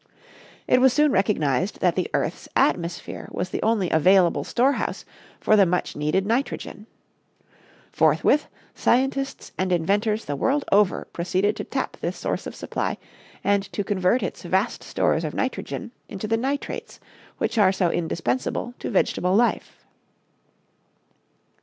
It was soon recognized that the earth's atmosphere was the only available storehouse for the much needed nitrogen. Forthwith scientists and inventors the world over proceeded to tap this source of supply and to convert its vast stores of nitrogen into the nitrates which are so indispensable to vegetable life.